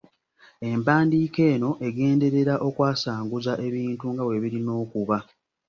Empandiika eno egenderera okwasanguza ebintu nga bwe birina okuba.